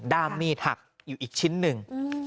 ้ามมีดหักอยู่อีกชิ้นหนึ่ง